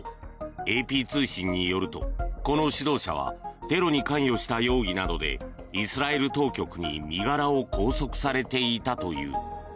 ＡＰ通信によるとこの指導者はテロに関与した容疑などでイスラエル当局に身柄を拘束されていたという。